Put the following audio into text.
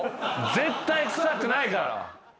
絶対臭くないから。